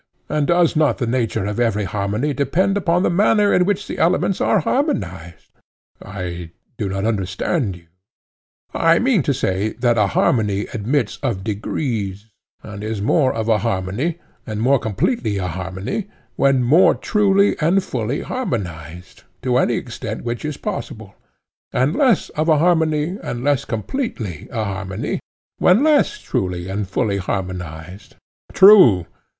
And does not the nature of every harmony depend upon the manner in which the elements are harmonized? I do not understand you, he said. I mean to say that a harmony admits of degrees, and is more of a harmony, and more completely a harmony, when more truly and fully harmonized, to any extent which is possible; and less of a harmony, and less completely a harmony, when less truly and fully harmonized. True.